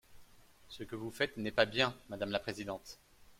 Ce que vous faites n’est pas bien, madame la présidente.